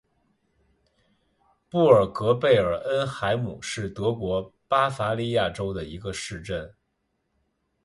布尔格贝尔恩海姆是德国巴伐利亚州的一个市镇。